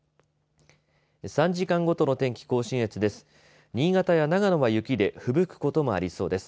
３時間ごとの天気、甲信越です。